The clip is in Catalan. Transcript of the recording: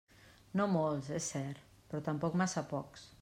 No molts, és cert, però tampoc massa pocs.